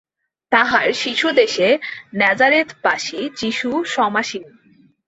তাহার শীর্ষদেশে ন্যাজারেথবাসী যীশু সমাসীন।